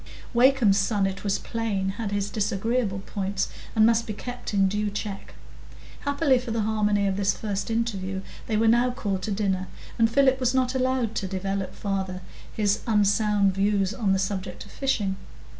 Wakem's son, it was plain, had his disagreeable points, and must be kept in due check. Happily for the harmony of this first interview, they were now called to dinner, and Philip was not allowed to develop farther his unsound views on the subject of fishing.